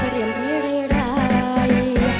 เรียบร้ายร้าย